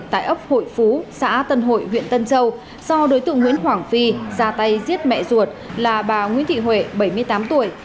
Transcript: tại ấp hội phú xã tân hội huyện tân châu do đối tượng nguyễn hoàng phi ra tay giết mẹ ruột là bà nguyễn thị huệ bảy mươi tám tuổi